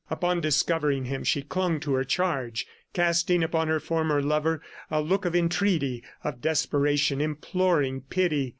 Upon discovering him she clung to her charge, casting upon her former lover a look of entreaty, of desperation, imploring pity.